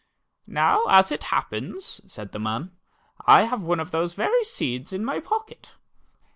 "Now, as it happens," said the man, "I have one of those very seeds in my pocket.